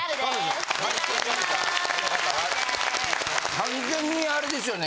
完全にアレですよね。